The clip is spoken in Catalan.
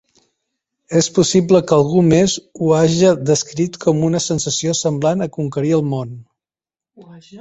És possible que algú més ho haja descrit com una sensació semblant a "conquerir el món".